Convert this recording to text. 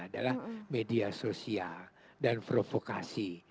adalah media sosial dan provokasi